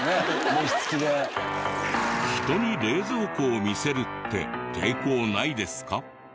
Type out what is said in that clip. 人に冷蔵庫を見せるって抵抗ないですか？